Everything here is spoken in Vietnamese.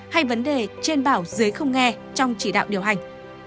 hay vấn đề trên bảo dưới không nghe trong chỉ đạo điều hành